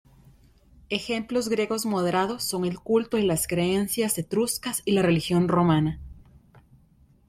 Ejemplos griegos moderados son el culto y las creencias etruscas y la religión romana.